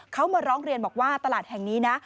เขามาร้องเรียนบอกว่าตลาดแห่งนี้นะ